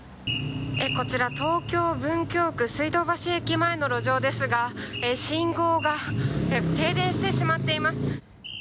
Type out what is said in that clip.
こちら東京・文京区水道橋駅前の路上ですが信号が停電してしまっています